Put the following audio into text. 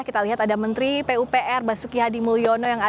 kita lihat ada menteri pupr basuki hadi mulyono